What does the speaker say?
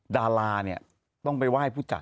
ดาราเนี่ยต้องไปไหว้ผู้จัด